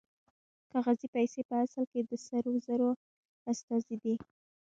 کاغذي پیسې په اصل کې د سرو زرو استازي دي